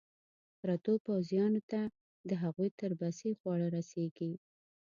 پرتو پوځیانو ته د هغوی تر بسې خواړه رسېږي.